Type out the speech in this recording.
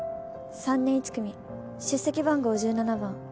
３年１組出席番号１７番